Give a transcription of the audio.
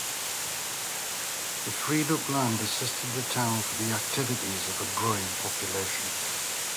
The freed up land assisted the town for the activities of a growing population.